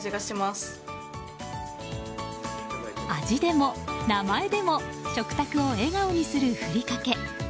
味でも名前でも食卓を笑顔にするふりかけ。